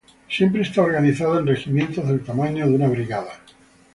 Siempre está organizada en regimientos, del tamaño de una brigada.